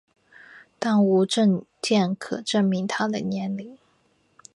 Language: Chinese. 但无证件可证明她的年龄。